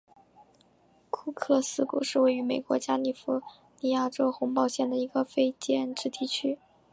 库克斯谷是位于美国加利福尼亚州洪堡县的一个非建制地区。